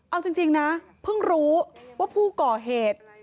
เอาจริงนะเพิ่งรู้ว่าผู้ก่อเหตุ